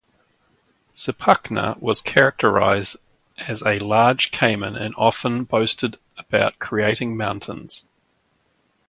Zipacna was characterized as a large caiman and often boasted about creating mountains.